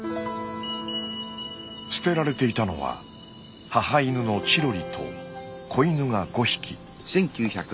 捨てられていたのは母犬のチロリと子犬が５匹。